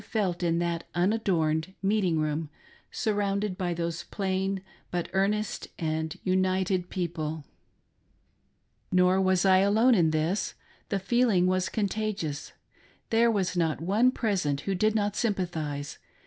felt in that unadorned meeting room sur rounded by those plain but earnest and united people. 60 THE UNISON OF RELIGION AND SONG. Nor was I alone in this. The feeling was contagious. There was not one present who did not sympathise.